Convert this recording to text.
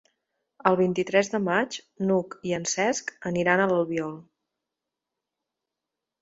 El vint-i-tres de maig n'Hug i en Cesc aniran a l'Albiol.